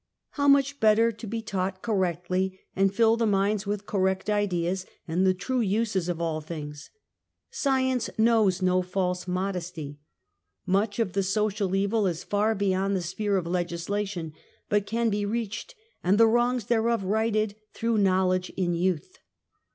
How much better to be taught correctly and fill the minds with correct ideas and the true uses of all thino s. ^Science knows no false modesty. Much of the social evil is far beyond the sphere of legislation, but can be reached and the wrongs thereof righted through knowledge in youth.